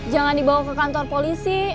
jangan dibawa ke kantor polisi